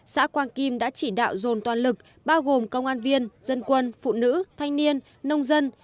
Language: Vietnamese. xã quang kim đã chỉ đạo dồn toàn lực bao gồm công an viên dân quân phụ nữ thanh niên nông dân